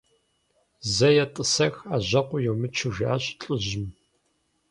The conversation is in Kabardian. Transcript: «Зэ етӏысэх, ӏэжьэкъур йумычу», жиӏащ лӏыжьым.